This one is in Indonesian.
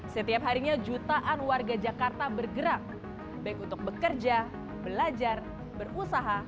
setiap harinya jutaan warga jakarta bergerak baik untuk bekerja belajar berusaha